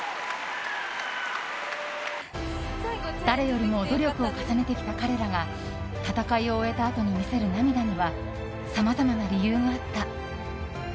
誰よりも努力を重ねてきた彼らが戦いを終えたあとに見せる涙にはさまざまな理由があった。